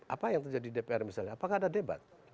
apa yang terjadi di dpr misalnya apakah ada debat